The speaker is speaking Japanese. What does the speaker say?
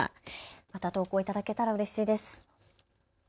また投稿いただけたらうれしいです。